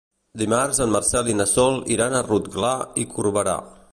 Dimarts en Marcel i na Sol iran a Rotglà i Corberà.